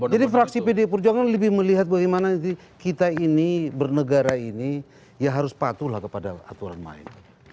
jadi fraksi pd purjono lebih melihat bagaimana kita ini bernegara ini ya harus patuhlah kepada aturan lain